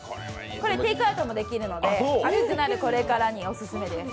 これ、テイクアウトもできるので暑くなるこれからにオススメです。